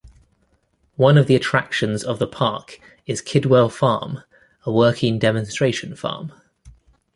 One of the attractions of the park is Kidwell Farm, a working demonstration farm.